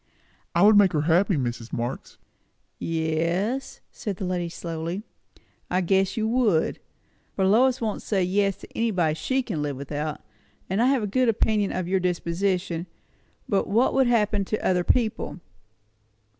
"I would make her happy, Mrs. Marx!" "Yes," said the lady slowly "I guess you would; for Lois won't say yes to anybody she can live without; and I've a good opinion of your disposition; but what would happen to other people?"